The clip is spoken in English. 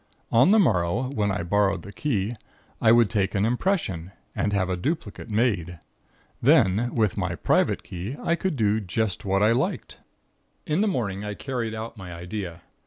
On the morrow, when I borrowed the key, I would take an impression, and have a duplicate made. Then, with my private key, I could do just what I liked. "In the morning I carried out my idea.